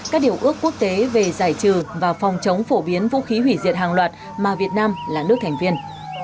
các điều ước quốc tế về giải trừ và phòng chống phổ biến vũ khí hủy diệt hàng loạt mà việt nam là nước thành viên